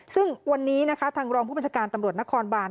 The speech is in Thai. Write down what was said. ซึ่งวันนี้นะคะทางรองผู้บัญชาการตำรวจนครบาน